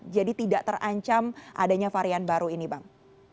jadi tidak terancam adanya varian baru ini bang